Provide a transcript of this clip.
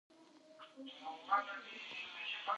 په بډو يا رشوت کې به هم ورکول کېدې.